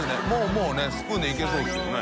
もうねスプーンでいけそうですけどね。